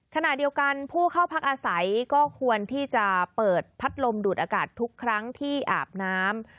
ขณะเดียวกันผู้เข้าพักอาศัยก็ควรที่จะเปิดพัดลมดูดอากาศทุกครั้งที่อาบน้ำ